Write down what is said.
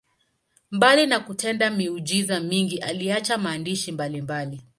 Mbali na kutenda miujiza mingi, aliacha maandishi mbalimbali.